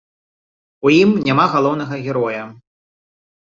У ім няма галоўнага героя.